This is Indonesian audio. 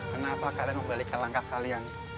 kenapa kalian membalikan langkah kalian